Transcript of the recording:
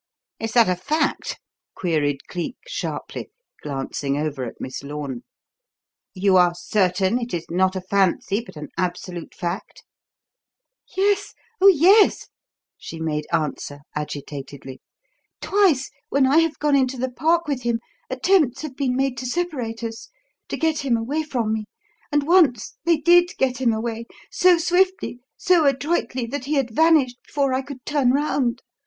"Is that a fact?" queried Cleek sharply, glancing over at Miss Lorne. "You are certain it is not a fancy, but an absolute fact?" "Yes; oh, yes!" she made answer, agitatedly. "Twice when I have gone into the Park with him, attempts have been made to separate us, to get him away from me; and once they did get him away so swiftly, so adroitly, that he had vanished before I could turn round.